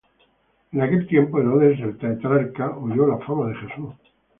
En aquel tiempo Herodes el tetrarca oyó la fama de Jesús,